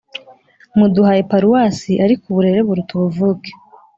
muduhaye paruwasi ariko uburere buruta ubuvuke